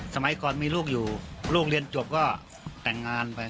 สมัยก่อนมีลูกอยู่ลูกเรียนจบก็แต่งงานไป